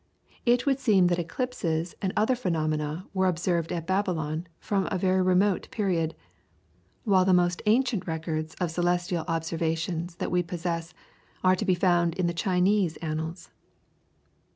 It would seem that eclipses and other phenomena were observed at Babylon from a very remote period, while the most ancient records of celestial observations that we possess are to be found in the Chinese annals.